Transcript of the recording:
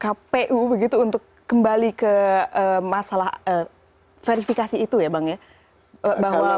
kpu begitu untuk kembali ke masalah verifikasi itu ya bang ya